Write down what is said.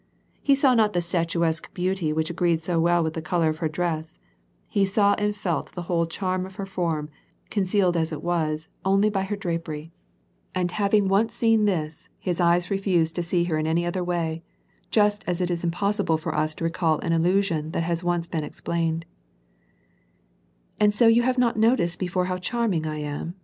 He saw not the statuesque beauty which agreed so well with the color of her dress, he saw and felt the whole charm of her form, concealed as it was, only by her drapery. And having * tPetpere que vous n^ 4irez plus qu* on 9*^nnuk chcz nwi. WAR AND PEACE. 247 once seen this, his eyes refused to see her in any other way, just as it is impossible for us to recall an illusion that has once been explained. And so you have not noticed before how charming I am